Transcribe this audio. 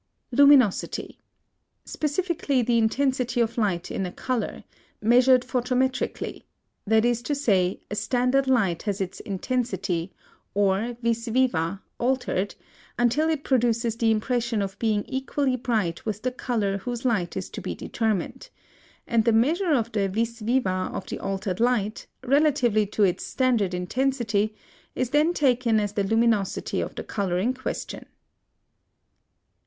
LUMINOSITY. Specifically, the intensity of light in a color, measured photometrically; that is to say, a standard light has its intensity, or vis viva, altered, until it produces the impression of being equally bright with the color whose light is to be determined; and the measure of the vis viva of the altered light, relatively to its standard intensity, is then taken as the luminosity of the color in question.